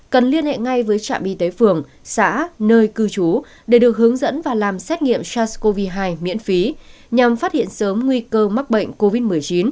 cần liên hệ ngay với trạm y tế phường xã nơi cư trú để được hướng dẫn và làm xét nghiệm sars cov hai miễn phí nhằm phát hiện sớm nguy cơ mắc bệnh covid một mươi chín